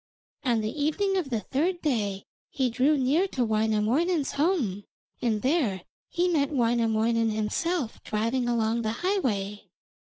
On the evening of the third day he drew near to Wainamoinen's home, and there he met Wainamoinen himself driving along the highway.